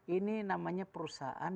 ini namanya perusahaan